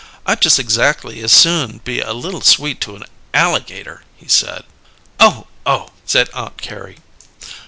"I just exackly as soon be a little sweet to an alligator," he said. "Oh, oh!" said Aunt Carrie.